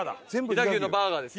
飛騨牛のバーガーです。